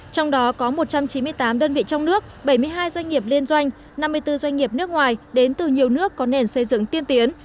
trong đó có một trăm chín mươi tám đơn vị trong nước bảy mươi hai doanh nghiệp liên doanh năm mươi bốn doanh nghiệp nước ngoài đến từ nhiều nước có nền xây dựng tiên tiến